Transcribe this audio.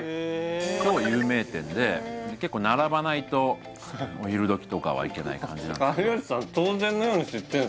超有名店で結構並ばないとお昼時とかは行けない感じ有吉さん